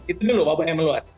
itu dulu wabah yang meluas